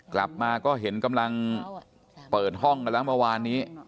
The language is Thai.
กลับมาก็เห็นกำลังเปิดห้องกำลังมาวานนี้